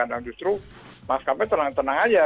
justru maskapai tenang tenang aja